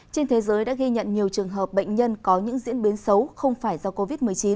trên thế giới đã ghi nhận nhiều trường hợp bệnh nhân có những diễn biến xấu không phải do covid một mươi chín